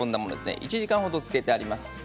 １時間ほどつけてあります。